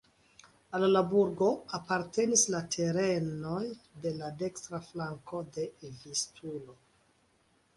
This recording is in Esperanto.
Al la burgo apartenis la terenoj de la dekstra flanko de Vistulo.